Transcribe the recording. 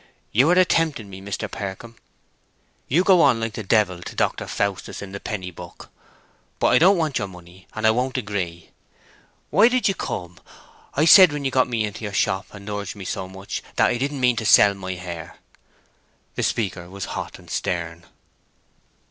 "You are a tempting me, Mr. Percombe. You go on like the Devil to Dr. Faustus in the penny book. But I don't want your money, and won't agree. Why did you come? I said when you got me into your shop and urged me so much, that I didn't mean to sell my hair!" The speaker was hot and stern.